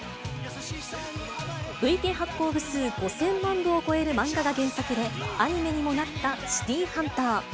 累計発行部数５０００万部を超える漫画が原作で、アニメにもなったシティーハンター。